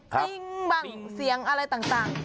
ติ้งบ้างเสียงอะไรต่าง